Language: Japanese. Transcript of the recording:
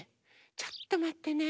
ちょっとまってね。